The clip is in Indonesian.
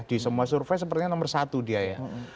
di semua survei sepertinya nomor satu dia ya